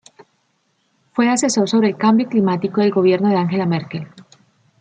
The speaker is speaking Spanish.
Fue asesor sobre el cambio climático del gobierno de Angela Merkel.